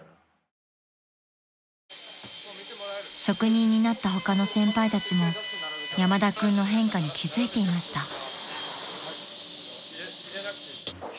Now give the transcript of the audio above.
［職人になった他の先輩たちも山田君の変化に気付いていました］